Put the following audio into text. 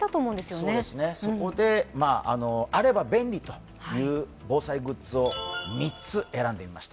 そこで、あれば便利という防災グッズを３つ選んでみました